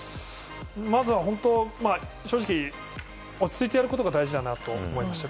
まずは本当、正直落ち着いてやることが大事だなと思いました。